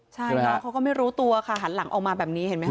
ใช่น้องเขาก็ไม่รู้ตัวค่ะหันหลังออกมาแบบนี้เห็นไหมค